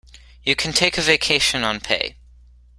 You can take a vacation on pay.